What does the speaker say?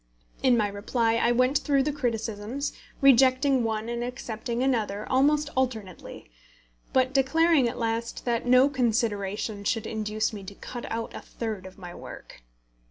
In my reply, I went through the criticisms, rejecting one and accepting another, almost alternately, but declaring at last that no consideration should induce me to cut out a third of my work.